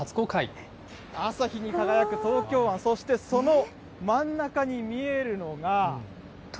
朝日に輝く東京湾、そしてその真ん中に見えるのが。